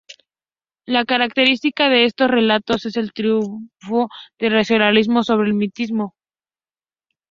La característica de estos relatos es el triunfo del racionalismo sobre el misticismo.